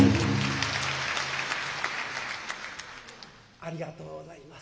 ありがとうございます。